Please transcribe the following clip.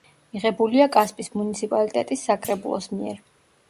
მიღებულია კასპის მუნიციპალიტეტის საკრებულოს მიერ.